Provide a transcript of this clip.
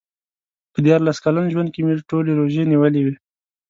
په دیارلس کلن ژوند کې مې ټولې روژې نیولې وې.